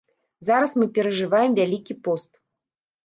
Зараз мы перажываем вялікі пост.